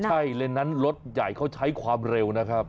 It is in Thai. ใช่เลนส์นั้นรถใหญ่เขาใช้ความเร็วนะครับ